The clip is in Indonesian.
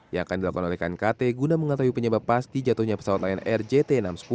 yang akan dilakukan oleh kt guna mengetahui penyebab pasti jatuhnya pesawat lain rgt enam ratus sepuluh